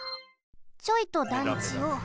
ちょいと団地を。